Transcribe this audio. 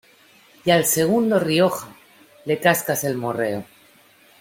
y al segundo Rioja, le cascas el morreo.